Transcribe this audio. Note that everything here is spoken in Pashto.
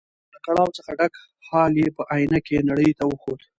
او له کړاو څخه ډک حال یې په ائينه کې نړۍ ته وښود.